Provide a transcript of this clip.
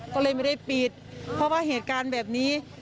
ก็เลยไม่ได้ปิดเพราะว่าเหตุการณ์แบบนี้